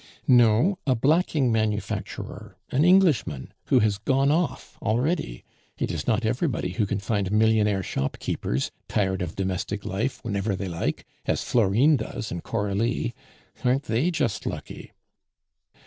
"No, a blacking manufacturer, an Englishman, who has gone off already. It is not everybody who can find millionaire shopkeepers, tired of domestic life, whenever they like, as Florine does and Coralie. Aren't they just lucky?"